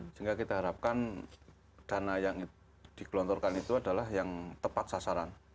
sehingga kita harapkan dana yang digelontorkan itu adalah yang tepat sasaran